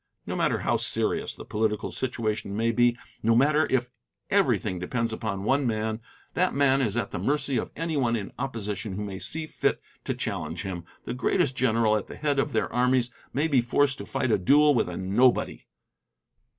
No matter how serious the political situation may be, no matter if everything depends upon one man, that man is at the mercy of anyone in opposition who may see fit to challenge him. The greatest general at the head of their armies may be forced to fight a duel with a nobody.